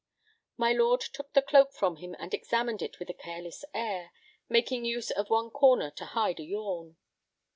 My lord took the cloak from him and examined it with a careless air, making use of one corner to hide a yawn.